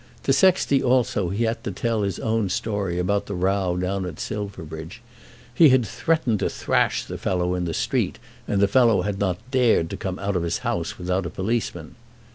To Sexty also he had to tell his own story about the row down at Silverbridge. He had threatened to thrash the fellow in the street, and the fellow had not dared to come out of his house without a policeman.